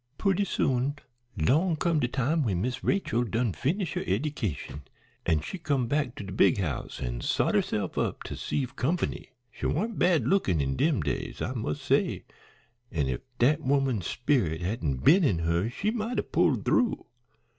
"Purty soon long come de time when Miss Rachel done finish her eddication, an' she come back to de big house an' sot herse'f up to 'ceive company. She warn't bad lookin' in dem days, I mus' say, an' if dat woman's sperit hadn't 'a' been in her she might 'a' pulled through.